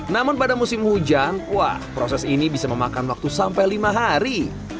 namun pada musim hujan wah proses ini bisa memakan waktu sampai lima hari